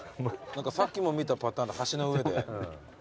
何かさっきも見たパターンの橋の上で。